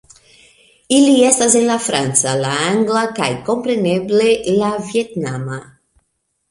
Ili estas en la franca, la angla kaj kompreneble la vjetnama